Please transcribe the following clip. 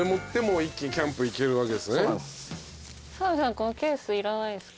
このケースいらないですか？